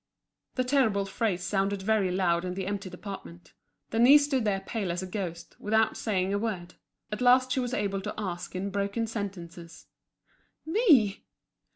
The terrible phrase sounded very loud in the empty department. Denise stood there pale as a ghost, without saying a word. At last she was able to ask in broken sentences: "Me!